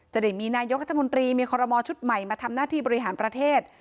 จะได้มีนายกรัฐมนตรีมีคอรมอลชุดใหม่มาทำหน้าที่บริหารประเทศ